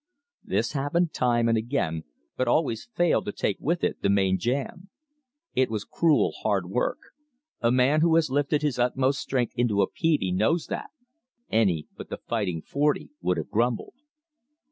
This happened time and again, but always failed to take with it the main jam. It was cruel hard work; a man who has lifted his utmost strength into a peavey knows that. Any but the Fighting Forty would have grumbled.